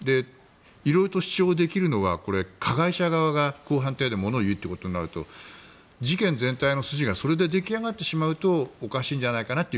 色々と主張できるのは加害者側が公判に入ってものを言うということになると事件全体の筋がそれで出来上がってしまうとおかしいんじゃないかなって